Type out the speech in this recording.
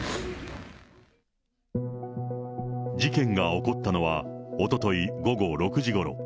事件が起こったのは、おととい午後６時ごろ。